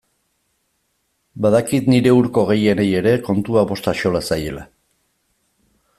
Badakit nire hurko gehienei ere kontua bost axola zaiela.